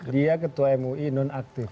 dia ketua mui nonaktif